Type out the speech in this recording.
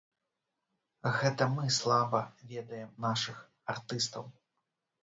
Гэта мы слаба ведаем нашых артыстаў.